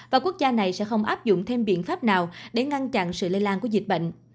và quốc gia này sẽ không áp dụng thêm biện pháp nào để ngăn chặn sự lây lan của dịch bệnh